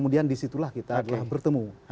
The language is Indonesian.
di situlah kita bertemu